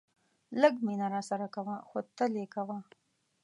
لږ مینه راسره کوه خو تل یې کوه.